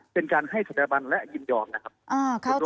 เป็นการให้สถาบันและยินยอมนะครับ